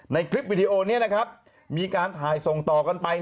คลิปวิดีโอนี้นะครับมีการถ่ายส่งต่อกันไป